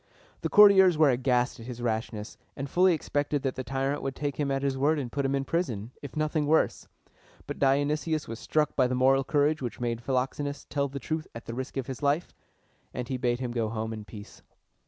The courtiers were aghast at his rashness, and fully expected that the tyrant would take him at his word and put him in prison, if nothing worse; but Dionysius was struck by the moral courage which made Philoxenus tell the truth at the risk of his life, and he bade him go home in peace.